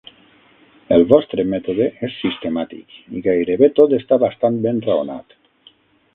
El vostre mètode és sistemàtic i gairebé tot està bastant ben raonat.